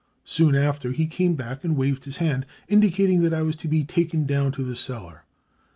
Soon after, he came back and waved his hand, indicating that I was to be taken down to the cellar.